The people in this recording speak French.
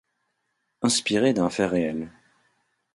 Inspiré d'un fait réel.